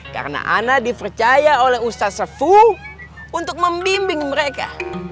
karena ana dipercaya oleh ustadz sefu untuk membimbing mereka